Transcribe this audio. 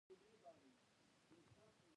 د جوارو ریښې قوي وي.